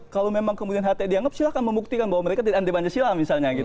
kalau memang kemudian hti dianggap silahkan membuktikan bahwa mereka tidak anti pancasila misalnya